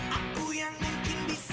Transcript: aduh mati gabak